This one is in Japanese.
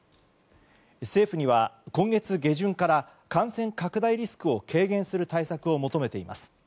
政府には、今月下旬から感染拡大リスクを軽減する対策を求めています。